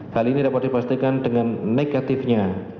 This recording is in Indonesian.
hal ini dapat dipastikan dengan negatifnya